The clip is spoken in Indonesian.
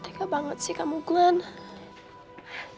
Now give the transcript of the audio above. tiga banget sih kamu glenn